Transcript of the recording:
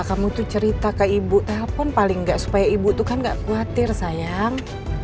kamu tuh cerita ke ibu telepon paling gak supaya ibu tuh kan gak khawatir sayang